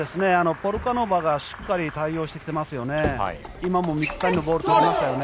ポルカノバがしっかり対応してきてますよね。